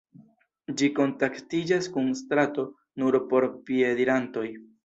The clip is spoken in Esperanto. Ĝi kontaktiĝas kun strato nur por piedirantoj.